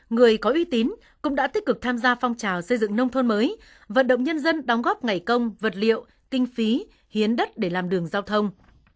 người có uy tín cũng đã tích cực tham gia phong trào xây dựng nông thôn mới vận động nhân dân đóng góp ngày công vật liệu kinh phí hiến đất để làm đường giao thông